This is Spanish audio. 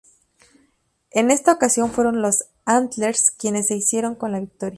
En esta ocasión fueron los Antlers quienes se hicieron con la victoria.